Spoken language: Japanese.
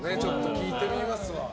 聞いてみますわ。